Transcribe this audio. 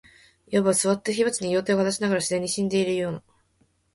謂わば、坐って火鉢に両手をかざしながら、自然に死んでいるような、